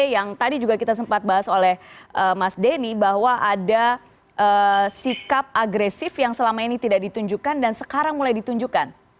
yang tadi juga kita sempat bahas oleh mas denny bahwa ada sikap agresif yang selama ini tidak ditunjukkan dan sekarang mulai ditunjukkan